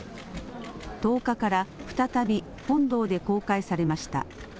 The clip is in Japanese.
１０日から再び本堂で公開されました。